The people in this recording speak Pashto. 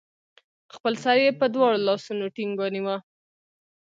خپل سر يې په دواړو لاسونو ټينګ ونيوه